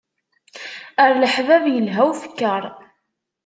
Ar leḥbab ilha ufekkeṛ.